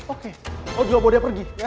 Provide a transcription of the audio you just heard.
oke gue bawa dia pergi